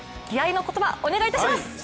気合いの言葉お願いいたします。